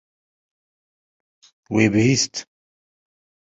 Wê bihîst.